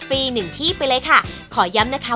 ฟรีหนึ่งที่ไปเลยค่ะ